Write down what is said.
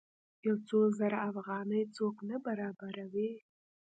یو څو زره افغانۍ څوک نه برابروي.